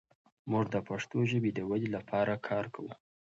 موږ د پښتو ژبې د ودې لپاره کار کوو.